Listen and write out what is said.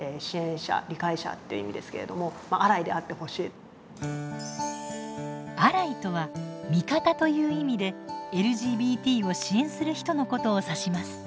小川さんたちに寄せられた声には「アライ」とは「味方」という意味でＬＧＢＴを支援する人のことを指します。